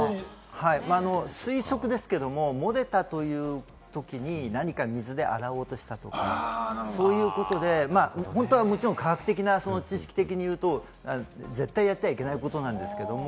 推測ですけれども、漏れたというときに何か水で洗おうとしたとか、そういうことで本当はもちろん科学的な知識的に言うと、絶対やってはいけないことなんですけれども。